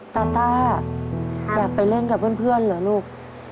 ตาต้าอยากไปเล่นกับเพื่อนเหรอลูก